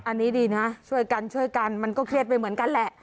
อันนี้ดีนะช่วยกันช่วยกันมันก็เครียดไปเหมือนกันแหละ